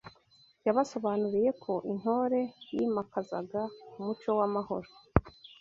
Yabasobanuriye ko intore yimakazaga umuco w’amahoro